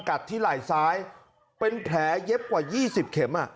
ที่ไหล่ซ้ายเป็นแผลเย็บกว่า๒๐เข็ม